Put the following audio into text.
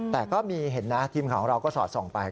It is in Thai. แต่ก็มีเห็นนะทีมข่าวของเราก็สอดส่องไป